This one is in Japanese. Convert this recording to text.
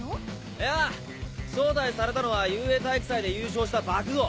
いや招待されたのは雄英体育祭で優勝した爆豪。